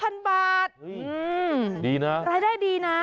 อืมรายได้ดีนะ